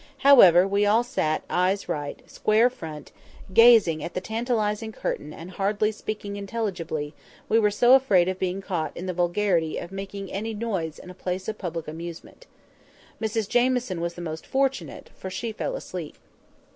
However, we all sat eyes right, square front, gazing at the tantalising curtain, and hardly speaking intelligibly, we were so afraid of being caught in the vulgarity of making any noise in a place of public amusement. Mrs Jamieson was the most fortunate, for she fell asleep.